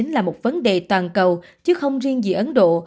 là một vấn đề toàn cầu chứ không riêng gì ấn độ